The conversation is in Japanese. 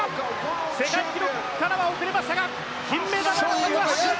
世界記録からは遅れましたが金メダル争いは続く！